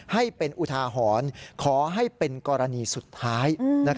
ให้เป็นอุทาหรณ์ขอให้เป็นกรณีสุดท้าย